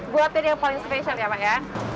buatnya yang paling special ya pak ya